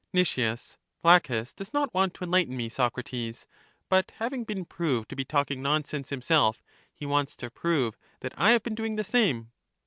Nic, Laches does not want to enlighten me, Soc rates ; but having been proved to be talking nonsense himself, he wants to prove that I have been doing the same.